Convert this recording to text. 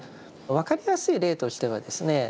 分かりやすい例としてはですね